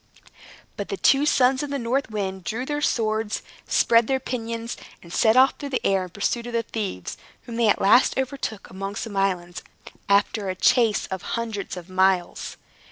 But the two sons of the North Wind drew their swords, spread their pinions, and set off through the air in pursuit of the thieves, whom they at last overtook among some islands, after a chase of hundreds of miles.